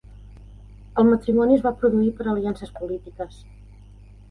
El matrimoni es va produir per aliances polítiques.